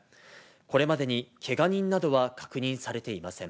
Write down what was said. これまでにけが人などは確認されていません。